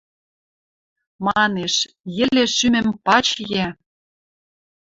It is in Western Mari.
Манеш: «Йӹле шӱмӹм пач йӓ